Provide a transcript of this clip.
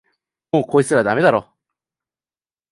もうこいつらダメだろ